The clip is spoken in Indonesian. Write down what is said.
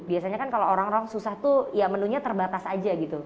biasanya kan kalau orang orang susah tuh ya menunya terbatas aja gitu